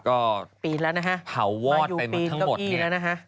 ก็ผ่าวอดไปหมดทั้งหมด